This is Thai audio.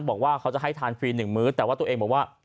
บอกว่าเขาจะให้ทานฟรี๑มื้อแต่ว่าตัวเองบอกว่า